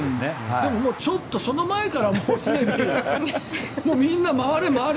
でもその前からもうすでにみんな回れ回れ！